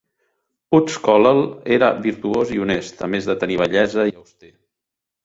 Utz-Colel era virtuós i honest, a més de tenir bellesa i auster.